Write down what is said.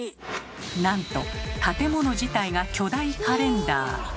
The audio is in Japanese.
なんと建物自体が巨大カレンダー！